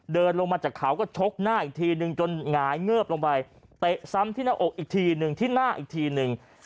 เดินลงมาจากเขาก็ชกหน้าอีกทีนึงจนหงายเงิบลงไปเตะซ้ำที่หน้าอกอีกทีหนึ่งที่หน้าอีกทีหนึ่ง